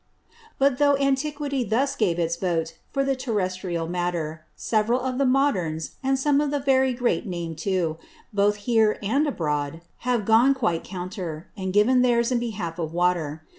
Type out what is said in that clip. But though Antiquity thus gave its Vote for Terrestrial Matter, several of the Moderns, and some of very great Name too, both here and abroad, have gone quite counter, and given theirs in behalf of Water.